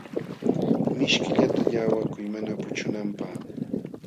Mishkillata llaqwakuy mana puchunanpaq.